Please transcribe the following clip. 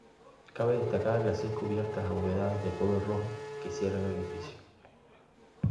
Cabe destacar las seis cubiertas abovedadas de color rojo que cierran el edificio.